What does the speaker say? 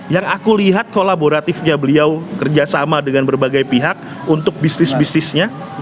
yang aku lihat kolaboratifnya beliau kerjasama dengan berbagai pihak untuk bisnis bisnisnya